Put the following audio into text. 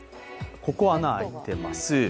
ここ、穴開いてます。